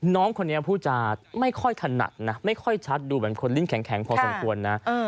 น้องคนนี้พูดจาไม่ค่อยถนัดนะไม่ค่อยชัดดูเหมือนคนลิ้นแข็งพอสมควรนะ